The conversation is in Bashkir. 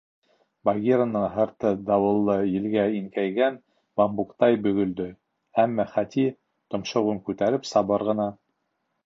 Багираның һырты дауыллы елгә иңкәйгән бамбуктай бөгөлдө, әммә Хати, томшоғон күтәреп, сабыр ғына: